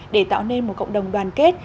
để tạo nên một cộng đồng đoàn kết